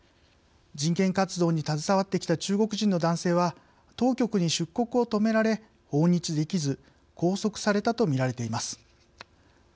人権活動に携わってきた中国人の男性は当局に出国を止められ訪日できず拘束されたとみられています。